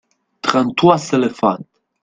trente trois éléphants.